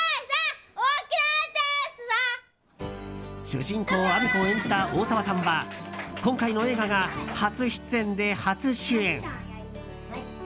主人公あみ子を演じた大沢さんは今回の映画が初出演で初主演。